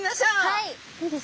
はい！